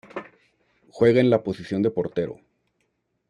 Juega en la posición de portero.